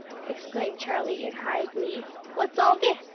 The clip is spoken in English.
exclaimed Charlie, in high glee, "what's all this?